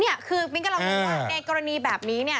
นี่คือมิ้นกำลังว่าในกรณีแบบนี้